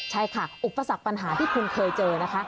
ใช่ค่ะอุปสรรคปัญหาที่คุณเคยเจอนะคะ